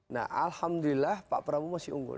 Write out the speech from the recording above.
nah alhamdulillah pak prabowo masih unggul